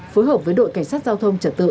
phối hợp với đội cảnh sát giao thông trật tự